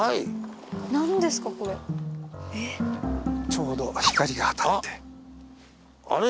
ちょうど光が当たって。